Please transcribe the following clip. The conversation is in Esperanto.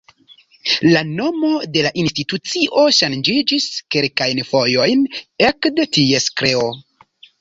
La nomo de la institucio ŝanĝiĝis kelkajn fojojn ekde ties kreo.